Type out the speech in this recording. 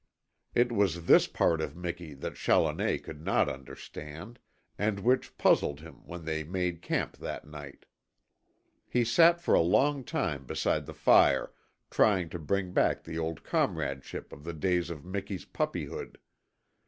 It was this part of Miki that Challoner could not understand, and which puzzled him when they made camp that night. He sat for a long time beside the fire trying to bring back the old comradeship of the days of Miki's puppyhood.